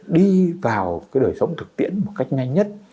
đi vào cái đời sống thực tiễn một cách nhanh nhất